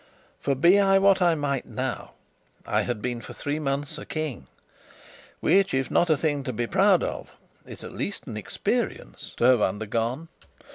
For, be I what I might now, I had been for three months a King, which, if not a thing to be proud of, is at least an experience to have undergone.